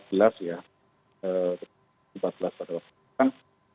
empat belas pada waktu itu kan